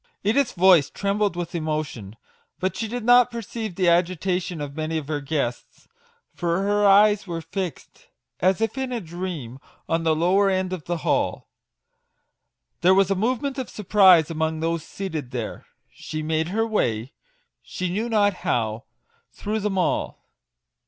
Edith's voice trembled with emotion, but she did not perceive the agitation of many of her guests, for her eyes were fixed, as if in a dream, on the lower end of the hall. There was a movement of surprise among those seated there : she made her way, she knew not how, through them all.